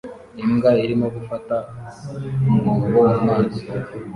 Imbwa irimo gufata umwobo mu mazi